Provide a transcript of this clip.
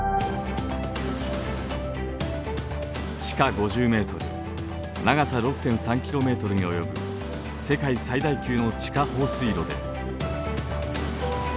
地下５０ｍ長さ６．３ｋｍに及ぶ世界最大級の地下放水路です。